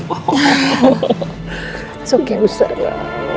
tidak apa apa bu sara